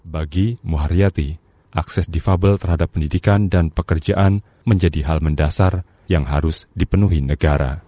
bagi muharyati akses difabel terhadap pendidikan dan pekerjaan menjadi hal mendasar yang harus dipenuhi negara